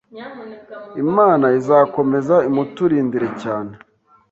Imana izakomeze imuturindire cyane